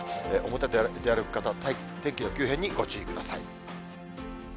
表出歩く方、天気の急変にご注意ください。